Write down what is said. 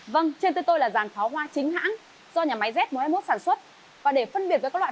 vâng trên tên tôi là dàn pháo hoa chính hãng do nhà máy z một trăm hai mươi một sản xuất và để phân biệt với các loại